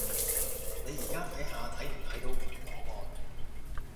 你而家睇下睇唔睇到群檔案